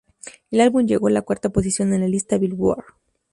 El álbum llegó la cuarta posición en la lista Billboard.